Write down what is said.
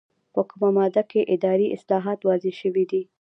په کومه ماده کې اداري اصلاحات واضح شوي دي؟